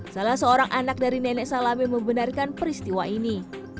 salah seorang anak dari nenek salame membenarkan peristiwa ini